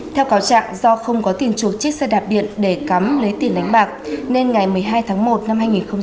theo cáo trạng do không có tiền chuộc chiếc xe đạp điện để cắm lấy tiền đánh bạc nên ngày một mươi hai tháng một năm hai nghìn hai mươi